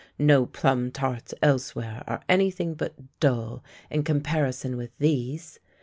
No plum tarts elsewhere are anything but dull in comparison with these.